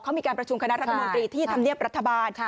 เขามีการประชุมคณะรัฐมนตรีที่ธรรมเนียบรัฐบาล